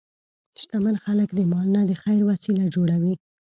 شتمن خلک د مال نه د خیر وسیله جوړوي.